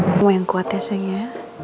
kamu yang kuat ya sayang ya